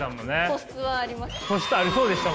素質はありました。